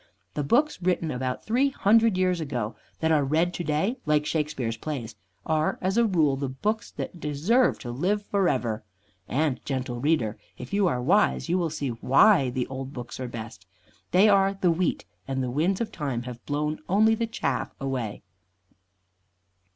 The books written about three hundred years ago that are read to day like Shakespeare's plays are as a rule the books that deserve to live forever. And, "Gentle Reader," if you are wise you will see why the old books are best: they are the wheat, and the winds of time have blown only the chaff away.